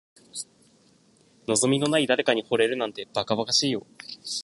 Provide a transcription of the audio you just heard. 望みのない誰かに惚れるなんて、ばかばかしいよ。